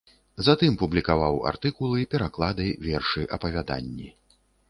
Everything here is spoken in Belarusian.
Затым публікаваў артыкулы, пераклады, вершы, апавяданні.